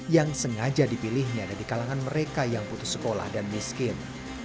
yang sengaja dipilihnya dari kalangan mereka yang putus sekolah dan miskin